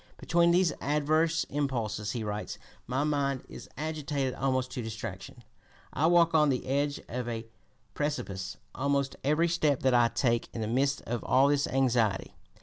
"Between these adverse impulses," he writes, "my mind is agitated almost to distraction.... I walk on the edge of a precipice almost every step that I take." In the midst of all this anxiety, (p.